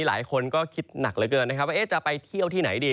หลายคนก็คิดหนักเหลือเกินนะครับว่าจะไปเที่ยวที่ไหนดี